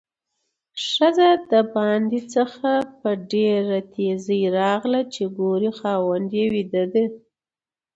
ښځه د باندې څخه په ډېره تیزۍ راغله چې ګوري خاوند یې ويده ده؛